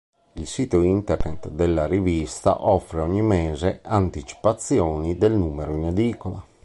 Il sito internet della rivista offre ogni mese anticipazioni del numero in edicola.